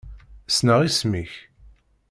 Ssneɣ isem-ik.